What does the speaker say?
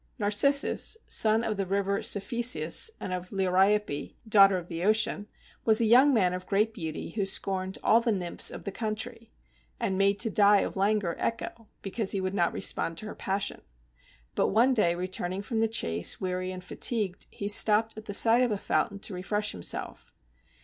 "Narcissus, son of the river Cephisus and of Liriope, daughter of the Ocean, was a young man of great beauty who scorned all the Nymphs of the country, and made to die of languor Echo, because he would not respond to her passion. But one day returning from the chase weary and fatigued, he stopped at the side of a fountain to refresh himself.